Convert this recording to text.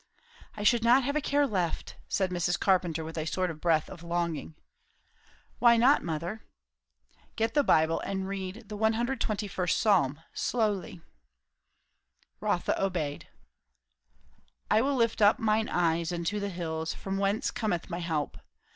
"I should not have a care left!" said Mrs. Carpenter, with a sort of breath of longing. "Why not, mother?" "Get the Bible and read the 121st psalm, slowly." Rotha obeyed. "'I will lift up mine eyes unto the hills, from whence cometh my help.